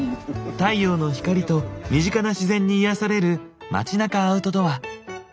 太陽の光と身近な自然に癒やされる街中アウトドア。